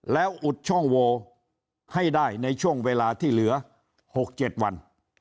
แล้วอุดช่องโวให้ได้ในช่วงเวลาที่เหลือ๖๗วัน